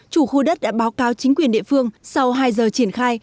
chủ khu đất đã báo cáo chính quyền địa phương sau hai giờ triển khai